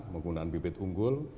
penggunaan bibit unggul